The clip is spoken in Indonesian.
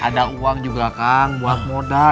ada uang juga kang uang modal